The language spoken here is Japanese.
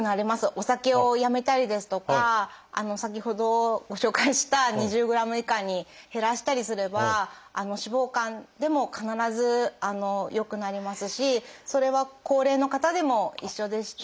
お酒をやめたりですとか先ほどご紹介した２０ｇ以下に減らしたりすれば脂肪肝でも必ず良くなりますしそれは高齢の方でも一緒でして。